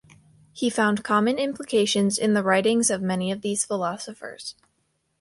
He found common implications in the writings of many of these philosophers.